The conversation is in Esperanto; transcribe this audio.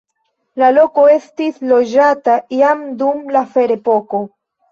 La loko estis loĝata jam dum la ferepoko.